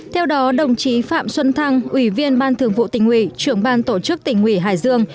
theo đó đồng chí phạm xuân thăng ủy viên ban thường vụ tỉnh ủy trưởng ban tổ chức tỉnh ủy hải dương